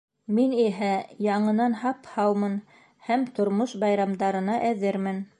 Мин иһә яңынан һап-һаумын һәм тормош байрамдарына әҙермен.